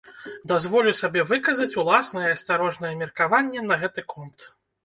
Дазволю сабе выказаць уласнае асцярожнае меркаванне на гэты конт.